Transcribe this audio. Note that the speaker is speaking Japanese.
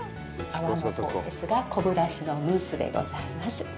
泡のほうですが昆布出汁のムースでございます。